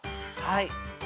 はい。